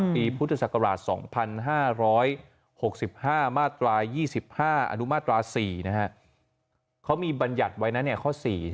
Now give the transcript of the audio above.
พุทธศักราช๒๕๖๕มาตรา๒๕อนุมาตรา๔เขามีบรรยัติไว้นะข้อ๔